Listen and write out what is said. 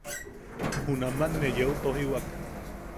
Junaman ne yeu tojiwak.